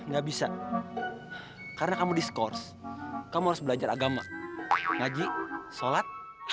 gak bisa karena kamu diskurs kamu harus belajar agama ngaji sholat